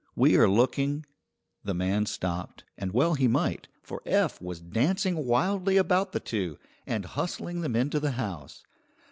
We are looking " The man stopped, and well he might, for Eph was dancing wildly about the two, and hustling them into the house.